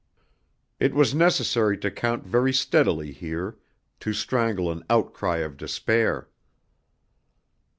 It was necessary to count very steadily here, to strangle an outcry of despair.